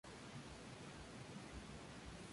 Wiley-Blackwell, ed.